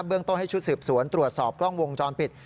เรื่องต้นให้ชุดสืบสวนตรวจสอบกล้องวงจรปิด